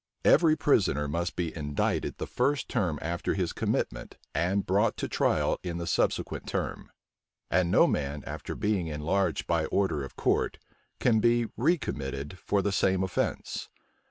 Every prisoner must be indicted the first term after his commitment, and brought to trial in the subsequent term. And no man, after being enlarged by order of court, can be recommitted for the same offence.